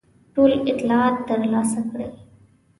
ټول اطلاعات ترلاسه کړي.